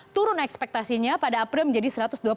turun ekspektasinya pada april menjadi satu ratus dua puluh